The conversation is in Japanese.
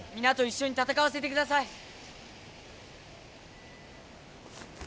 皆と一緒に戦わせて下さい！